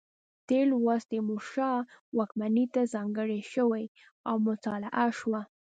تېر لوست تیمورشاه واکمنۍ ته ځانګړی شوی و او مطالعه شو.